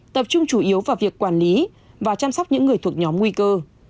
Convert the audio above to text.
tập trung chủ yếu vào việc quản lý và chăm sóc những người thuộc nhóm nguy cơ